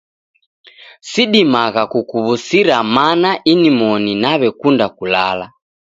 Sidimagha kukuw'usira mana inmoni naw'ekunda kulala.